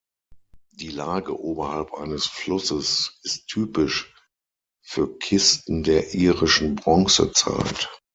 Die Lage oberhalb eines Flusses ist typisch für Kisten der irischen Bronzezeit.